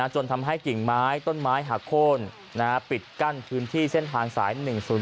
จนทำให้กิ่งไม้ต้นไม้หักโค้นปิดกั้นพื้นที่เส้นทางสาย๑๐๔